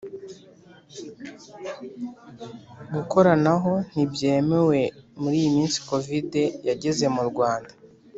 Gukoranaho ntibyemewe muri iyi minsi covid yageze mu Rwanda